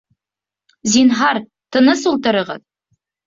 Зинһар, тыныс ултырығыҙ